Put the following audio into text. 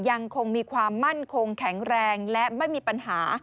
ยังคงมีความมั่นคงแข็งแรงและไม่มีปัญหา